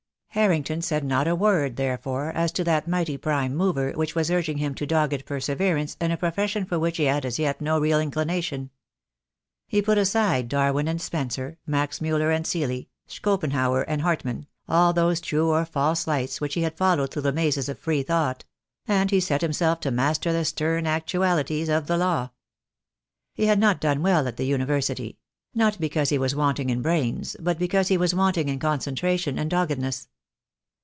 Harrington said not a word, therefore, as to that mighty prime mover which was urging him to dogged perseverance in a profession for which he had as yet no real inclination. He put aside Darwin and Spencer, Max Mtiller and Seeley, Schopenhauer and Hartmann, all those true or false lights which he had followed through the mazes of free thought; and he set himself to master the stern actualities of the law. He had not done well at the University; not because he was wanting in brains, but because he was wanting in concentration and dogged ness.